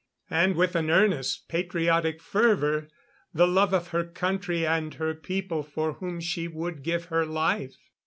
And with an earnest, patriotic fervor the love of her country and her people for whom she would give her life.